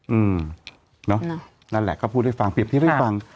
อืมนั่นแหละก็พูดให้ฟังเปรียบที่ไม่ฟัง